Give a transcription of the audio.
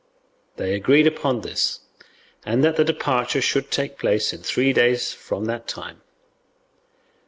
They agreed upon this, and that the departure should take place in three days from that time.